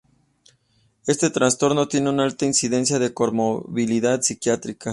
Este trastorno tiene una alta incidencia de comorbilidad psiquiátrica.